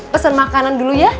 pesen makanan dulu yah